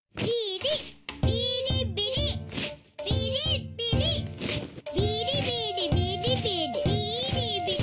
ビーリビリビーリビリビーリビリ。